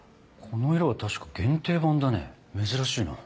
この色は確か限定版だね珍しいな。